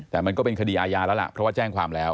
แต่มันก็เป็นคดีอาญาแล้วล่ะเพราะว่าแจ้งความแล้ว